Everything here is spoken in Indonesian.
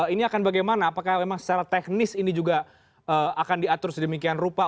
ini akan bagaimana apakah memang secara teknis ini juga akan diatur sedemikian rupa